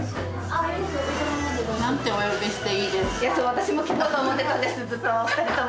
私も聞こうと思ってたんですずっと。